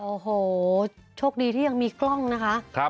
โอ้โหโชคดีที่ยังมีกล้องนะคะ